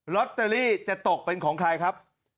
ลอตเตอรี่จะตกเป็นของใครครับ